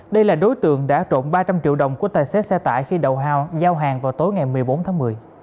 đây là đối tượng đã trộn ba trăm linh triệu đồng của tài xế xe tải khi đầu hao giao hàng vào tối ngày một mươi bốn tháng một mươi